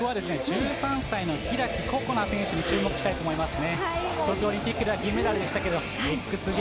１３歳の開心那選手に注目したいと思います。